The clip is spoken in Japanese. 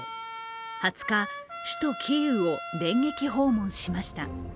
２０日、首都キーウを電撃訪問しました。